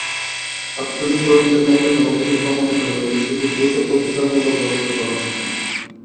তাৎক্ষণিক তদন্তের মাধ্যমে অভিযোগ প্রমাণিত হলেই শুধু দ্রুত প্রতিকারমূলক ব্যবস্থা গ্রহণ সম্ভব।